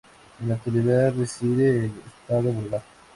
En la actualidad reside en el Estado Bolívar.